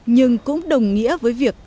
nhưng cũng đồng nghĩa với việc